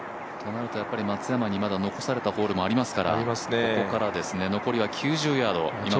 となると松山にまだ残されたホールもありますから残りは９０ヤード。